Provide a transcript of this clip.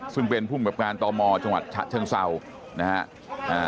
ซึ่งเป็นผู้แบบงานต่อมจังหวัดชะเชิงเศร้านะฮะ